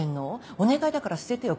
お願いだから捨ててよ